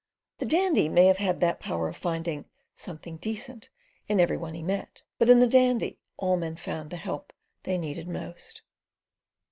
The Dandy may have had that power of finding "something decent" in every one he met, but in the Dandy all men found the help they needed most.